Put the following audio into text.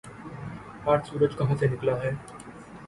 آج سورج کہاں سے نکلا ہے